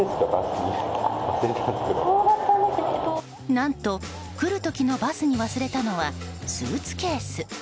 何と来る時のバスに忘れたのはスーツケース。